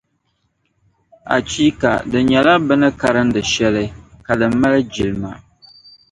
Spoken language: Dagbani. Achiika! Di nyɛla bɛ ni karindi shεli, ka di mali jilma.